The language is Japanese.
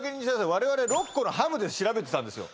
我々は６個のハムで調べてたんですよ